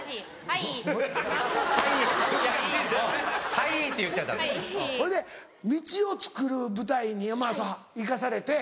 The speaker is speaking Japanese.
・いや「はい」って言っちゃダメ・ほいで道をつくる部隊に行かされて。